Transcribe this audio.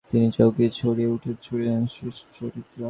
তিনি চৌকি ছাড়িয়া উঠিয়া কহিলেন, সুচরিতা!